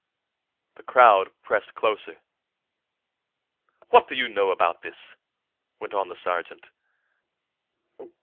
The crowd pressed closer. "What do you know about this?" went on the sergeant.